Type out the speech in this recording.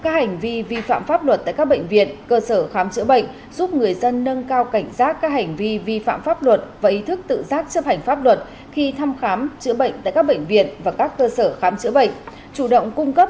các hành vi vi phạm pháp luật tại các bệnh viện cơ sở khám chữa bệnh giúp người dân nâng cao cảnh giác các hành vi vi phạm pháp luật và ý thức tự giác chấp hành pháp luật khi thăm khám chữa bệnh tại các bệnh viện và các cơ sở khám chữa bệnh